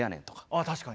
あ確かに。